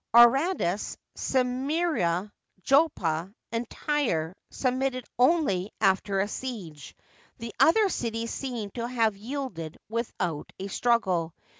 Aradus, Symiria, Joppa, and Tyre submitted only after a siege ; the other cities seem to have yielded with out a struggle.